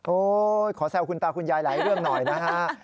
ขอแซวคุณตาคุณยายหลายเรื่องหน่อยนะฮะ